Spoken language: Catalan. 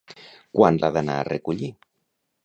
Quan l'ha d'anar a recollir?